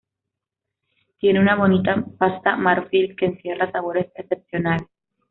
Tiene una bonita pasta marfil que encierra sabores excepcionales.